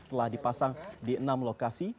telah dipasang di enam lokasi